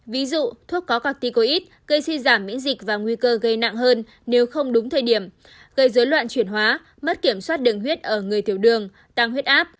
ví dụ thuốc có corticoid gây suy giảm miễn dịch và nguy cơ gây nặng hơn nếu không đúng thời điểm gây dối loạn chuyển hóa mất kiểm soát đường huyết ở người thiểu đường tăng huyết áp